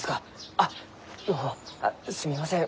あっすみません